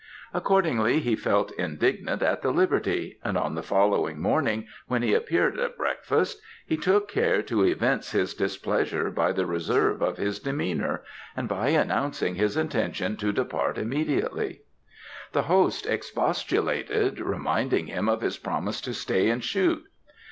Accordingly he felt indignant at the liberty; and on the following morning, when he appeared at breakfast, he took care to evince his displeasure by the reserve of his demeanour, and by announcing his intention to depart immediately. The host expostulated, reminding him of his promise to stay and shoot.